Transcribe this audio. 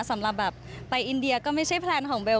สำหรับแบบไปอินเดียก็ไม่ใช่แพลนของเบล